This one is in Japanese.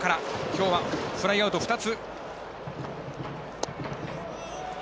きょうはフライアウト２つ。